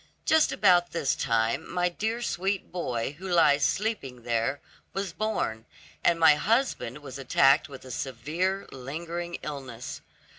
Just about this time, my dear sweet boy, who lies sleeping there, was born, and my husband was attacked with a severe lingering illness.